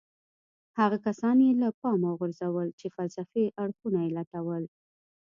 هغه کسان يې له پامه وغورځول چې فلسفي اړخونه يې لټول.